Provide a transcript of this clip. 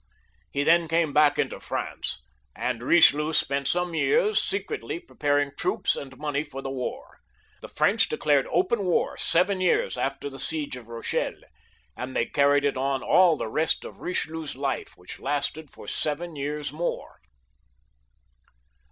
He then came bact into France, and Eichelieu spent some years secretly preparing troops and money for the war. The French declared open war seven years after the siege of Bochelle, and they carried it on all the rest of Eichelieu's life, which lasted for seven years mwe.